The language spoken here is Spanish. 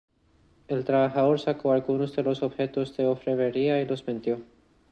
El trabajador sacó algunos de los objetos de orfebrería y los vendió.